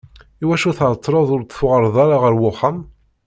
Iwacu tεeṭṭleḍ ur d-tuɣaleḍ ara ɣer uxxam?